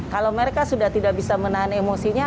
kalau mereka sudah tidak bisa menahan emosinya